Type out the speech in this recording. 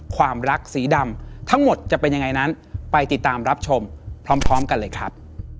ความรักสีดำทั้งหมดจะเป็นยังไงนั้นไปติดตามรับชมพร้อมกันเลยครับ